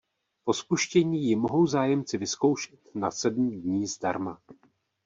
Po spuštění ji mohou zájemci vyzkoušet na sedm dní zdarma.